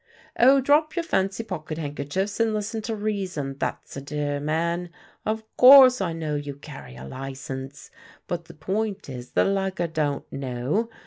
"Oh, drop your fancy pocket handkerchiefs, and listen to reason, that's a dear man! O' course I know you carry a licence; but the point is the lugger don't know.